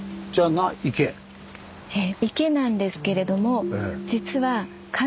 ええ池なんですけれどもは？